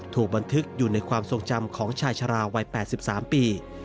ถูกบันทึกอยู่ในความทรงจำของชายชะลาวัย๘๓ปี